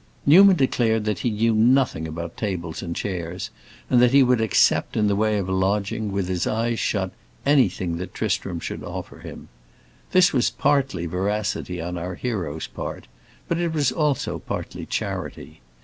Newman declared that he knew nothing about tables and chairs, and that he would accept, in the way of a lodging, with his eyes shut, anything that Tristram should offer him. This was partly veracity on our hero's part, but it was also partly charity.